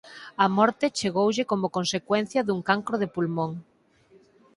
A morte chegoulle como consecuencia dun cancro de pulmón.